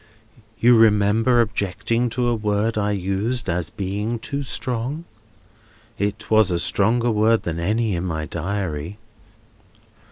You remember objecting to a word I used, as being too strong? It was a stronger word than any in my Diary."